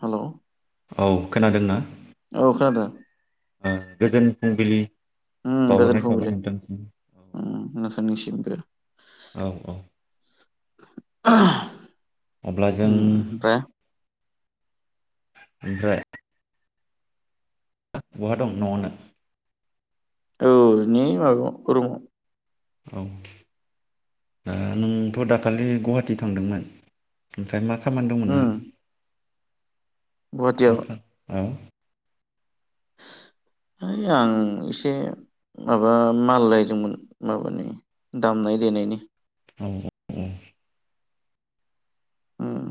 हेल' औ खोनादोंना? औ खोनादों। ओ गोजोन फुंबिलि। उम गोजोन बावहरनाय थाबाय फुंबिलि नोंथांसिम नोंथां निसिमबो औ औ [unintelligible] अब्ला जों ओमफ्राय बहा दं न'आवनो? औ नि माबायाव रुमाव औ ओ नोंथ' दाखालि गुहाटि थांदोंमोन ओमफ्राय मा खामानि दंमोन उम नोंहा गुवाहाटियाव [unintelligible] औ है आं एसे माबा माल लायदोंमोन माबानि दामनाय देनायनि औ औ उम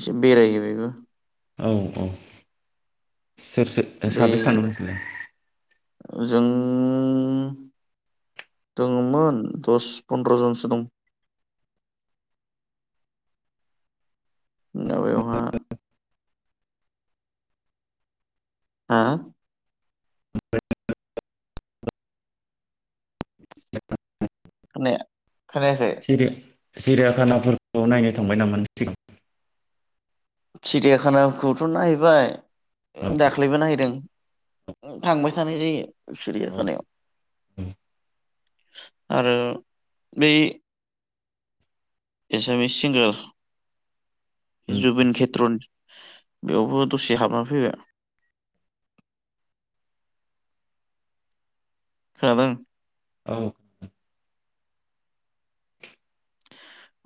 एसे बेरायहैबायबो औ औ सोरसो बै साबैसे थादोंमोन नोंसोरलाय? जों दङ'मोन दस पन्द्रजनसो दं [unintelligible] हा [unintelligible] [unintelligible] खोनायाखै सिरि सिरियाखानाफोरखौ नायनो थांबाय नामा नों सिगां? सिरियााखानाखौथ' नायबाय औ दाख्लैबो नायहैदों थांबाय थानाय जायो औ सिरिखानायाव आरो बै एसामिस सिंगार उम जुबिन खेथ्रन बेयावबो दसे हाबना फैबाय खोनादों औ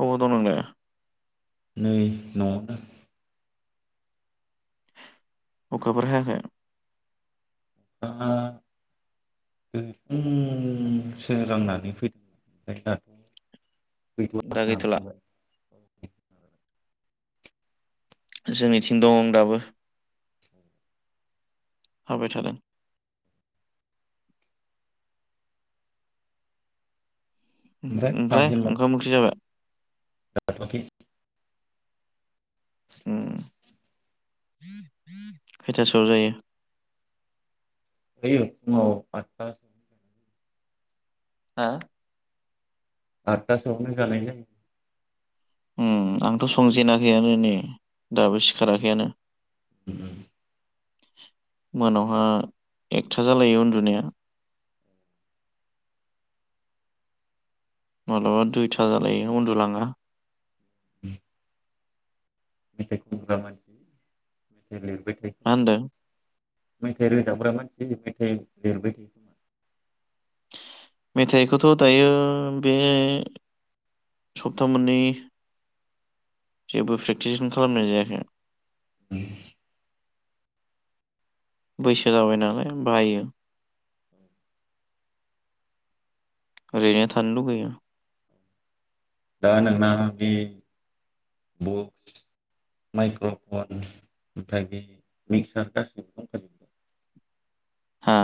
अबाव दं नोंलाय? नै न'आवनो अखाफोर हायाखै? [unintelligible] सोरांनानै [unintelligible] दा गैथ'ला जोंनिथिं दं दाबो हाबाय थादों ओमफ्राय ओंखाम ओंख्रि जाबाय? [unintelligible] उम खैथासोआव जायो। [unintelligible] हा। आठथासोआवनो जानाय जायो। उम आंथ' संजेनाखैयानो नै। दाबो उम सिखाराखैयानो। उम मोनायावहा एकथा जालायो उन्दुनाया। माब्लाबा दुइथा जालायो उन्दुलांङा। [inaudible] मेथाइ खनग्रा मानसि लिरबाय थायो। होनदों मेथाइ रोजाबग्रा मानसि मेथाइ लिरबाय मेथाइखौथ' दायो बे सप्ता मोननै। जेबो प्रेक्टिसखौनो खालामनाय जायाखै। [unintelligible] बैसो जाबाय नालाय बायो ओरैनो थानो लुुबैयो। दा नोंना बे बुक्स माइक्र'फन ओमफ्राय बे मिक्सार गासिबो कमपानि दं। हा?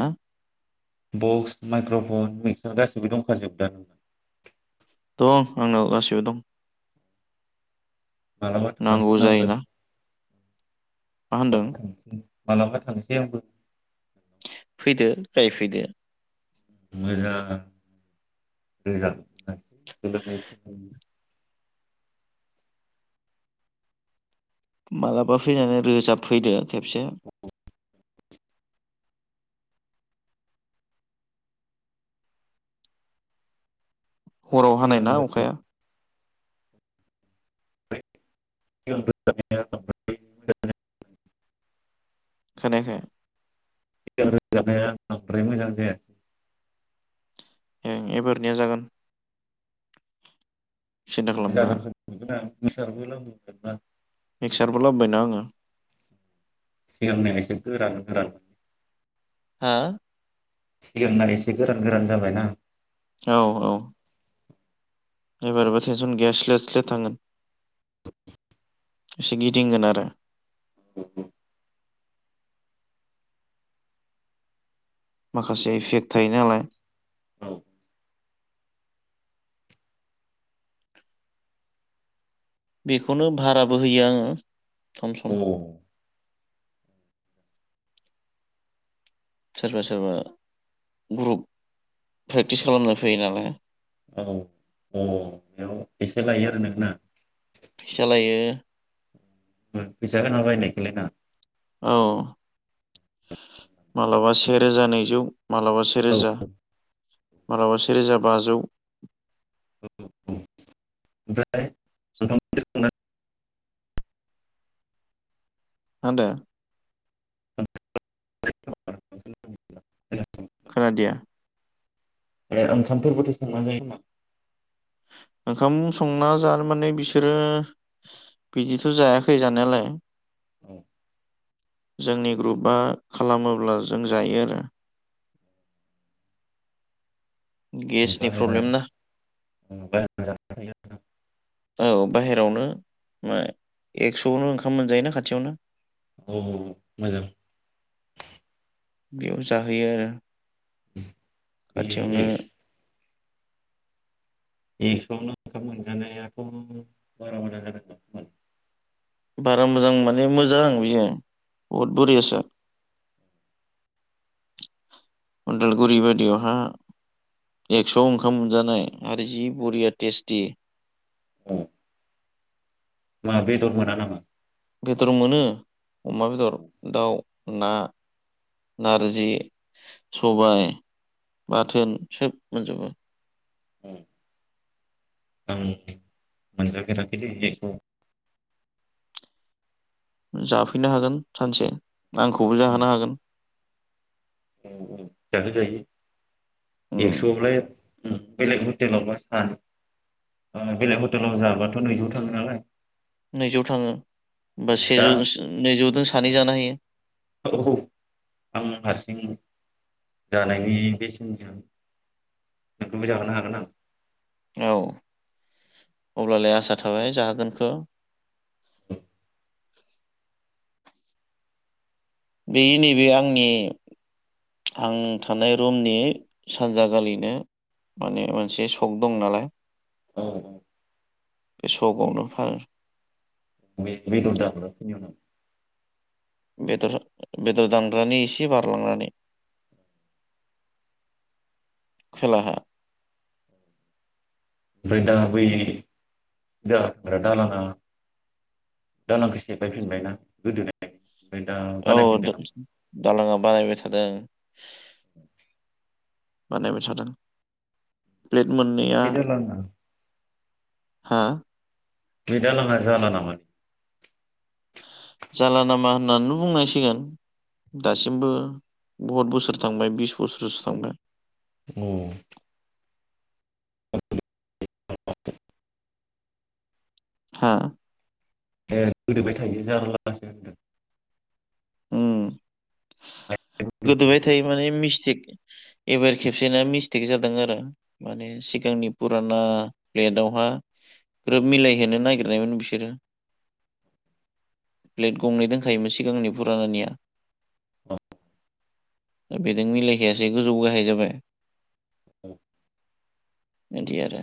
बक्स माइक्र'फन मिक्सार गाससिबो दंखाजोबोदा? दं आंनाव गासिबो दं। मालाबा नांगौ थांनांसै आंबो जायोना मा होनदों माबलाबा थांसै। माबलाबा थांसै आंबो। फैदो गायफैदो। [inaudible] मालाबा फैनानै रोजाबफैदो। खेबसे। हराव हानाय ना अखाया? [inaudible] खोनायाखै? सिगां रोजाबनाया बांद्राय मोजां जायासै ए एबारनिया जागोन। सिन्था खालामनाङा जागोन नुगोन आं। [inaudible] मिक्सारबो लाबोबायना आंङो। सिगांनिया एसे गोरान गोरान। हा? सिगांना एसे गोरान गोरान जाबायना। औ औ एबारबो थेनसन गैया सिलेथ सिलेथ थांगोन। एसे गिदिंगोन आरो। औ। माखासे इफेक्ट थायो नालाय। औ। बेखौनो भाराबो होयो आंङो। सम औ सम। सोरबा सोरबा ग्रुप प्रेक्टिस खालामनो फैयो नालाय। औ औ बेयाव एसे लायो आरो नों ना? फैसा लायो उम फैसा होना बायनायखौलाय ना? औ मालाबा सेरोजा नैजौ माबलाबा औ सेेरोजा मालाबा सेरोजा बाजौ ओमफ्राय [unintelligible] मा होनदों? [unintelligible] [unintelligible] खोनादिया ए ओंखामफोरबोथ' सोंना जायो होनदां। ओंखाम संना जानो माने बिसोरो बिदिथ' जायाखै जानायालाय। औ जोंनि ग्रुपआ खालामोब्ला जों जायो आरो। गेसनि प्रब्लेम ना [inaudible] औ बाहेरायावनो मा एक्स'आवनो ओंखाम मोनजायोना खाथियावनो। औ मोजां। बेयाव जाहैयो आरो। खाथियावनो [unintelligible] एक्स'आवनो ओंखाम मोनजानाया‌। बारा मोजां माने मोजां बिहाय बहुद बरियासो। उदालगुरि बायदियावहा एक्स'आव ओंखाम मोनजानाय आरो जि बरिया टेस्टि। ना बेदर मोना नामा? बेदर मोनो अमा बेदर दाउ ना नारजि सबाय बाथोन सोब मोनजोबो। आं मोनजाफेराखैलै एक्स'आव। जाफैनो हागोन सानसे। आंखौबो जाहोनो हागोन। औ औ जाहो जायो उम एक्स'आवलाय बेलेग हटेलावबा सान बेलेग हटेलाव जाबाथ' नैजौ थाङो नालाय। नैजौ थाङो बा औ दा सेजौ नैजौजों सानै जानो हायो। औ औ आं हारसिं जानायनि बेसेन नोंखौबो जाहोनो हागोन आं। औ अब्लालाय आसा थाबाय जाहागोनखौ। बे नैबे आंनि आं थानाय रुमनि सानजा गालिनो माने मोनसे सक दं नालाय औ औ। बे सक आवनो गंनो फानो। बे -बेदरदा बेदर बेदर दांग्रानि एसे बारलांनानै खोलाहा। ओमफ्राय दा बै दालाङा दालांखौ सेफायफिनबायना गोदोनाय ओमफ्राय दा औ बानायफिनदों नामा दालाङा बानायबाय थादों। बानायबाय थादों। प्लेट मोननैया बे दालाङा हा? बे दालांआ जाला नामा जाला नामा होननानैनो बुंनांसिगोन दासिमबो बहुत बोसोर थांबाय बिस बोसोरसो थांबाय औ [unintelligible] हा ए गोदोबाय थायो जारलासो होनदों उम गोदोबाय थायो माने मिस्टेक एबार खेब बिसोरना मिस्टेक जादों आरो माने सिगांनि फुराना प्लेटावहा ग्रोब मिलायहोनो नागिरनायमोन बिसोरो प्लेट गंनै दोनखायोमोन सिगांनि फुरानानिया दा बेजों मिलायखायासै गोजौ गाहाय जाबाय बिदि आरो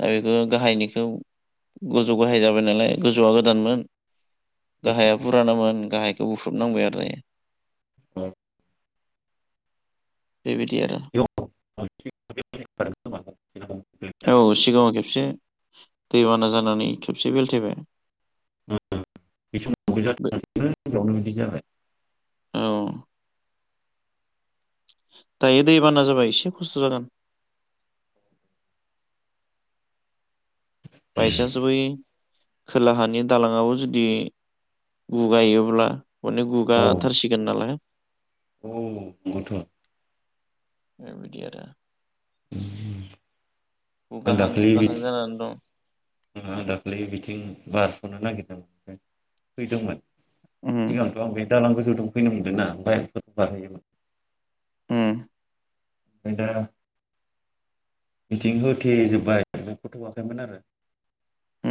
दा बेखौ गाहायनिखौ गोजौ गाहाय जाबाय नालाय गोजौआ गोदानमोन बुरानामोन गाहाय बेखौ बुफ्रुबनांबाय आरो [inaudible] बेबायदि आरो बे औ सिगाङाव खेब से दैबाना जानानै खेबसे बेलथायबाय [inaudible] बे बि जाबाय औ दायो दै बाना जाबा एसे खस्थ' जागोन बायसान्स बै खोलाहानि दालाङावो जुदि गुगायोब्ला अनेक औ गुगाथारसिगोन नालाय औ गथ' बेबायदि आरो [inaudible] आं गुगाहां दाखालि गुगाहां बिथि जानानै दं आं दाखालि बिथिं बारस'नो नागिरदों फैदोंमोन उम सिगांथ' आं बे दालां गो जोवदोफैनो मोनदोंना बाइलफोर बारहोयोमोन [inaudible] बेदा मिथिं होथेजोब्बाय बेखौथ'वाखैमोन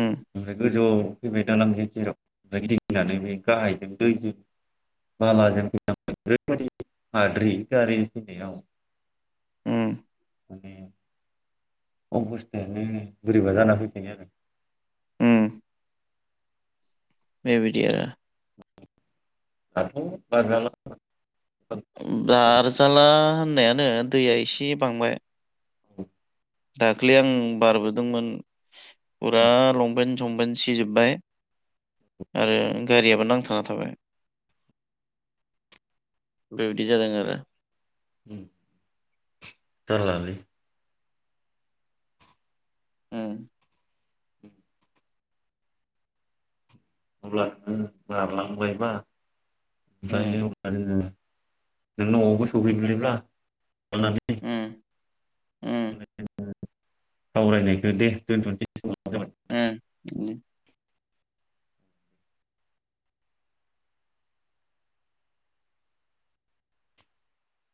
उम गोजौआव फैबाय दालां गैजेराव गिनानै बे गाहायजों दैजों बालाजों फ ओरैबायदि हाद्रि गारिजों फैनायाव ओम माने अबस्थायानो बोरैबा जाना फैखयो आरो उम बेबायदि आरो दाथ'- [unintelligible] बारजाला होननायानो दैया एसे बांबाय दाखलै आं बारबोदोंमोन। फुरा लंपेन संपेत सिजोबबाय आरो गारियाबो नांथाना थाबाय बेबायदि जादों आरो उम जालालै उम अब्ला नोङो बारलांबायबा उम ओफ्रायो अब्ला नोङो नों नवावबो सहैबायब्ला [unintelligible] अ [unintelligible] उम उम [unintelligible] सावरायनायखौ दे दोनथ'सै ओं बिदिनो